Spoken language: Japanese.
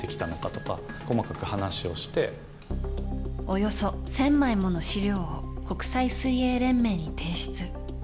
およそ１０００枚もの資料を国際水泳連盟に提出。